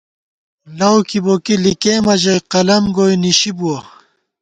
لؤ کِبوکی لِکېمہ ژَئی قلَم گوئی نِشِی بُوَہ